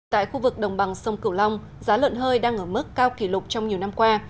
tại khu vực đồng bằng sông cửu long giá lợn hơi đang ở mức cao kỷ lục trong nhiều năm qua